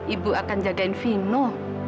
ibu akan jagain vino